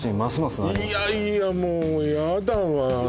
いやいやもうヤダわ